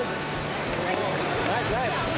ナイスナイス。